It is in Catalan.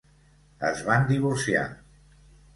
Es van divorciar.